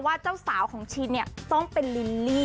ว่าเจ้าสาวของชินต้องเป็นลิลลี่